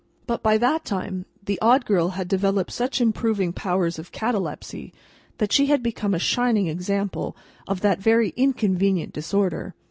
But, by that time, the Odd Girl had developed such improving powers of catalepsy, that she had become a shining example of that very inconvenient disorder.